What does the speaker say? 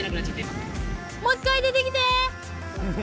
もう１回出てきて。